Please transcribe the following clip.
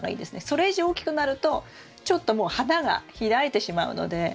それ以上大きくなるとちょっともう花が開いてしまうので。